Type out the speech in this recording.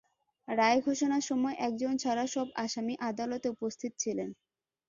রায় ঘোষণার সময় একজন ছাড়া সব আসামি আদালতে উপস্থিত ছিলেন।